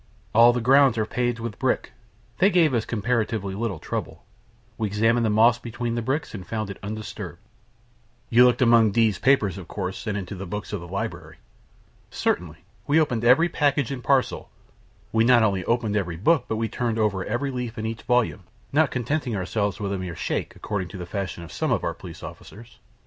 "All the grounds are paved with brick. They gave us comparatively little trouble. We examined the moss between the bricks, and found it undisturbed." "You looked among D 's papers, of course, and into the books of the library?" "Certainly; we opened every package and parcel; we not only opened every book, but we turned over every leaf in each volume, not contenting ourselves with a mere shake, according to the fashion of some of our police officers.